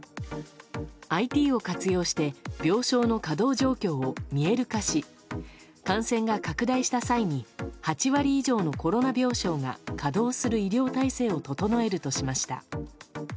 ＩＴを活用して病床の稼働状況を見える化し、感染が拡大した際に８割以上のコロナ病床が稼働する医療体制を整えるとしました。